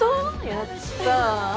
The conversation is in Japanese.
やったぁ。